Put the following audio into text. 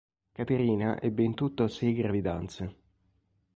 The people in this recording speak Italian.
Caterina ebbe in tutto sei gravidanze.